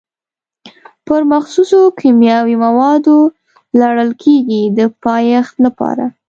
پر مخصوصو کیمیاوي موادو لړل کېږي د پایښت لپاره.